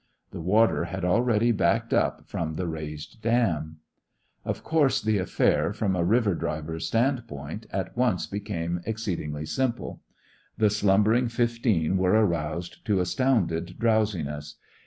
The water had already backed up from the raised dam. Of course the affair, from a river driver's standpoint, at once became exceedingly simple. The slumbering fifteen were aroused to astounded drowsiness.